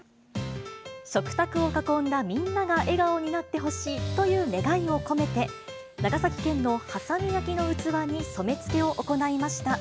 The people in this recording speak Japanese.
食卓を囲んだみんなが笑顔になってほしいという願いを込めて、長崎県の波佐見焼の器に染め付けを行いました。